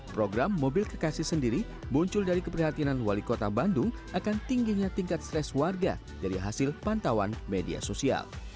program mobil kekasih sendiri muncul dari keprihatinan wali kota bandung akan tingginya tingkat stres warga dari hasil pantauan media sosial